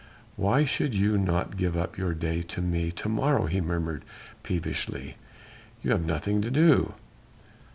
"Why should you not give up your day to me to morrow?" he murmured peevishly. "You have nothing to do."